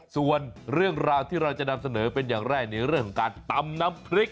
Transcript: ส่วนเรื่องราวที่เราจะนำเสนอเป็นอย่างแรกในเรื่องของการตำน้ำพริก